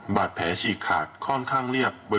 บาดแผลฉีกขาดค่อนข้างเรียบ